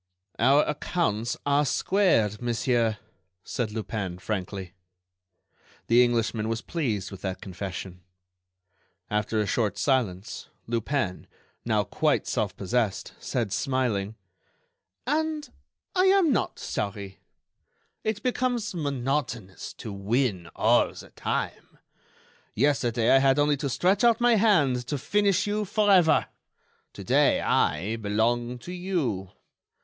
"Our accounts are squared, monsieur," said Lupin, frankly. The Englishman was pleased with that confession. After a short silence Lupin, now quite self possessed, said smiling: "And I am not sorry! It becomes monotonous to win all the time. Yesterday I had only to stretch out my hand to finish you forever. Today I belong to you.